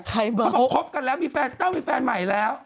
เขาบอกคบกันแล้วต้องมีแฟนใหม่แล้ว